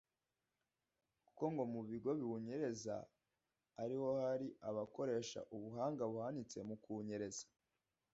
kuko ngo mu bigo biwunyereza ari ho hari abakoresha ubuhanga buhanitse mu kuwunyereza